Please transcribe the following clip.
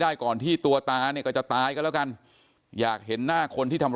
ก่อนที่ตัวตาเนี่ยก็จะตายก็แล้วกันอยากเห็นหน้าคนที่ทำ